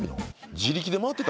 自力で回ってたん？